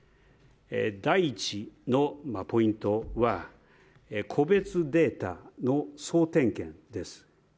第１のポイントは、個別データの総点検です。